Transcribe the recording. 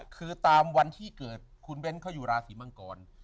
คือตามวันที่เกิดคุณเบ้นเขาอยู่ราศีมังกร